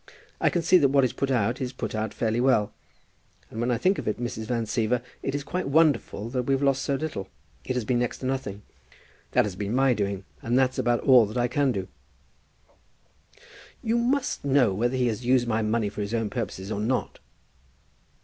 I can see that what is put out is put out fairly well; and when I think of it, Mrs. Van Siever, it is quite wonderful that we've lost so little. It has been next to nothing. That has been my doing; and that's about all that I can do." "You must know whether he has used my money for his own purposes or not."